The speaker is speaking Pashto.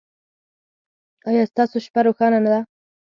ایا ستاسو شپه روښانه ده؟